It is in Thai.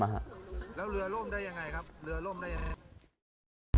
แล้วเรือล่มได้อย่างไรครับ